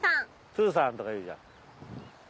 「プーさん」とか言うじゃん。